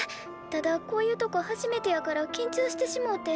ただこういうとこ初めてやからきんちょうしてしもうて。